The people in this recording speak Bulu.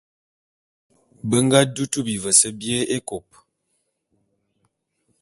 Be nga dutu bivese bié ékôp.